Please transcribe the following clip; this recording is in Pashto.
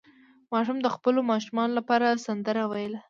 ماشوم د خپلو ماشومانو لپاره سندره ویله.